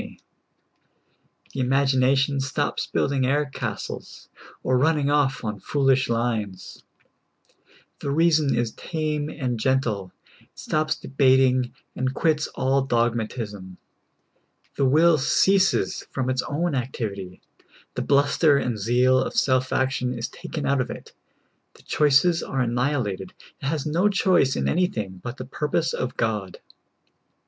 the imagination stops build ing air castles, or running off on foolish lines ; the rea son is tame and gentle ; it stops debating, and quits all dogmatism ; the will ceases from its own activity ; the bluster and zeal of self action is taken out of it ; the choices are annihilated ; it has no choice in any thing but the purpose of God.